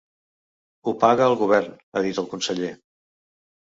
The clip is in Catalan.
“Ho paga el govern”, ha dit el conseller.